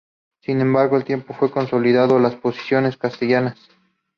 Sin embargo, el tiempo fue consolidando las posiciones castellanas.